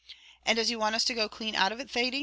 "And does he want us to go clane out of it, Thady?"